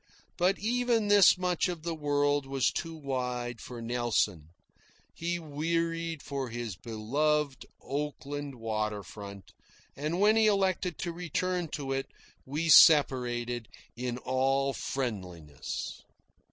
But even this much of the world was too wide for Nelson. He wearied for his beloved Oakland water front, and when he elected to return to it we separated in all friendliness.